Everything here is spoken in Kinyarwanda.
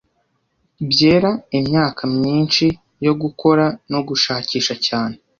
Byera imyaka myinshi yo gukora no gushakisha cyane